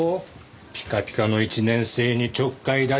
ピカピカの１年生にちょっかい出しちゃ。